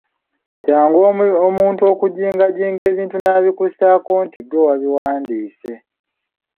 Kyangu omuntu okujingajinga ebintu n’abikusibako nti ggwe wabiwandiise.